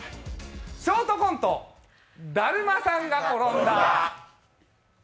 ショートコント、だるまさんが転んだ。